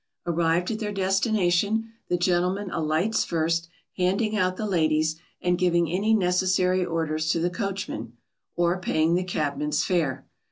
Arrived at their destination the gentleman alights first, handing out the ladies, and giving any necessary orders to the coachman, or paying the cabman's fare.